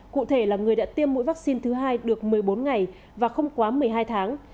cụ thể là người đã tiêm mũi vaccine thứ hai được một mươi bốn ngày và không quá một mươi hai tháng